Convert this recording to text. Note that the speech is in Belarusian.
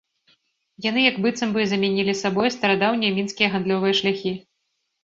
Яны як быццам бы замянілі сабой старадаўнія мінскія гандлёвыя шляхі.